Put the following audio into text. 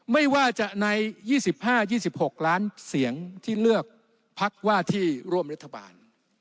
ไม่ว่าจะใน๒๕๒๖ล้านเสียงที่เลือกพักว่าที่ร่วมรัฐบาล